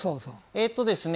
えっとですね